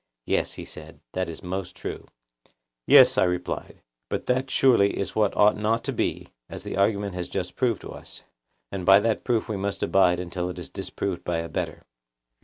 Yes, he said, that is most true. Yes, I replied; but that surely is what ought not to be, as the argument has just proved to us; and by that proof we must abide until it is disproved by a better.